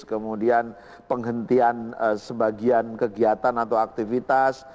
kemudian penghentian sebagian kegiatan atau aktivitas